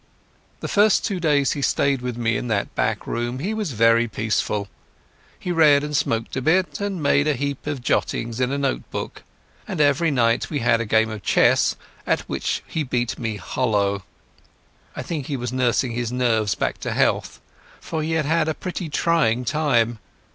The first two days he stayed with me in that back room he was very peaceful. He read and smoked a bit, and made a heap of jottings in a note book, and every night we had a game of chess, at which he beat me hollow. I think he was nursing his nerves back to health, for he had had a pretty trying time.